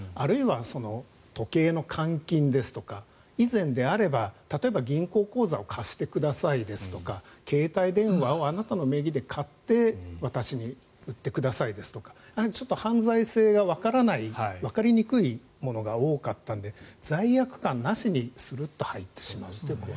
しかも求人の方法が荷受けですとか時計の換金ですとか以前であれば、例えば銀行口座を貸してくださいですとか携帯電話をあなたの名義で買って私に売ってくださいとかちょっと犯罪性がわかりにくいものが多かったので罪悪感なしにするっと入ってしまうと。